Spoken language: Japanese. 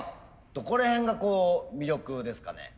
どこら辺がこう魅力ですかね？